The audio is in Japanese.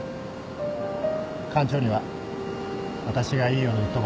館長には私がいいように言っとこう。